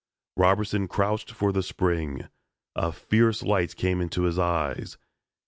Robertson crouched for the spring. A fierce light came into his eyes.